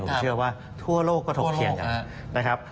ผมเชื่อว่าทั่วโลกก็ถกเถียงกันนะครับ